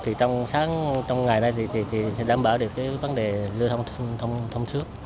thì trong sáng trong ngày này thì đảm bảo được cái vấn đề lưu thông xuất